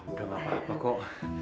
udah gak apa apa kok